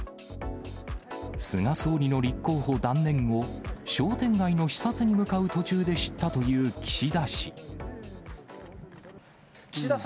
菅総理の立候補断念を、商店街の視察に向かう途中で知ったという岸田氏。